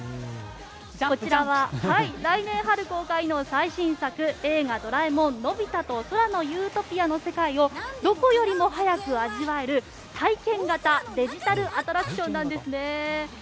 こちらは来年春公開の最新作「映画ドラえもんのび太と空の理想郷」の世界をどこよりも早く味わえる体験型デジタルアトラクションなんですね。